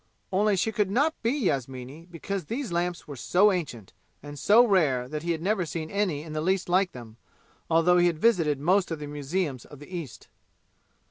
Only she could not be Yasmini because these lamps were so ancient and so rare that he had never seen any in the least like them, although he had visited most of the museums of the East.